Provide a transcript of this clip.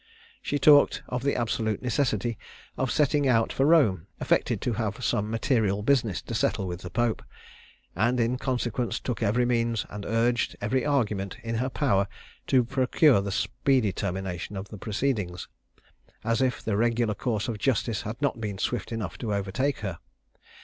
She talked of the absolute necessity of setting out for Rome; affected to have some material business to settle with the Pope; and, in consequence, took every means and urged every argument in her power to procure the speedy termination of the proceedings as if the regular course of justice had not been swift enough to overtake her.